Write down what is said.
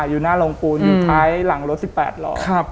อยู่หน้าโรงปูนอยู่ท้ายหลังรถ๑๘ล้อ